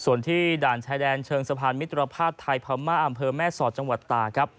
ส่วนที่ด่านชายแดนเชิงสะพานมิตรภาพไทยพม่าอำเภอแม่สอดจังหวัดตาครับ